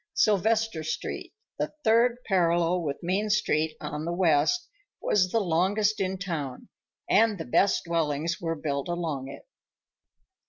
Sylvester Street, the third parallel with Main Street on the west, was the longest in town, and the best dwellings were built along it.